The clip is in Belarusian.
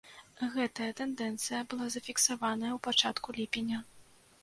Гэтая тэндэнцыя была зафіксаваная ў пачатку ліпеня.